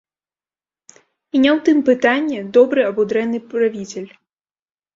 І не ў тым пытанне, добры або дрэнны правіцель.